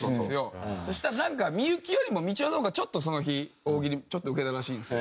そしたらなんか幸よりもみちおの方がちょっとその日大喜利ウケたらしいんですよ。